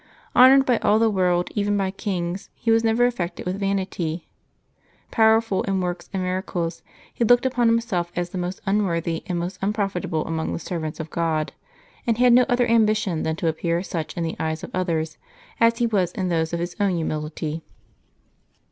Honored by all the world, even by kings, he was never affected with vanit3\ Powerful in works and miracles, he looked upon himself as the most unworthy and most unprofitable among the servants of God, and had no other ambition than to appear such in the eyes of others as he was in those of his own humility.